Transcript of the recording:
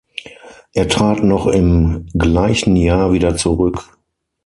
Er trat noch im gleichen Jahr wieder zurück.